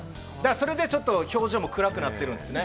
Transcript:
それでちょっと表情も暗くなってるんですね。